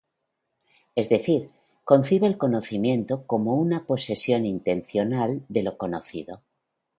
Es decir, concibe el conocimiento como una posesión intencional de lo conocido.